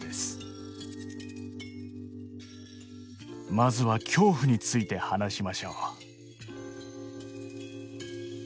まずは恐怖について話しましょう。